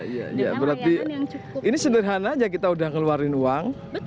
iya berarti ini sederhana aja kita udah ngeluarin uang